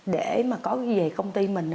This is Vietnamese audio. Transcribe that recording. để mà có về công ty mình